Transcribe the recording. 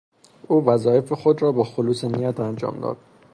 او وظایف خود را با خلوص نیت انجام داد.